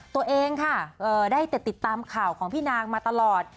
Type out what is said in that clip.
ตัวเองค่ะได้แต่ติดตามข่าวของพี่นางมาตลอด